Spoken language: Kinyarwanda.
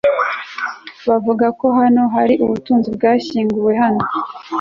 Bavuga ko hano hari ubutunzi bwashyinguwe hano